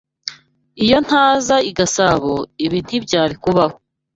Iyo ntaza i Gasabo, ibi ntibyari kubaho.